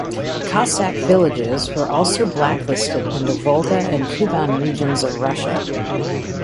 Cossack villages were also blacklisted in the Volga and Kuban regions of Russia.